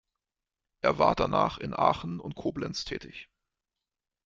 Er war danach in Aachen und Koblenz tätig.